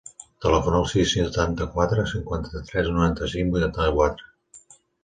Telefona al sis, setanta-quatre, cinquanta-tres, noranta-cinc, vuitanta-quatre.